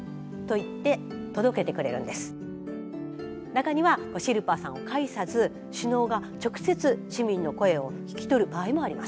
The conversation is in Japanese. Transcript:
中にはシェルパさんを介さず首脳が直接市民の声を聞き取る場合もあります。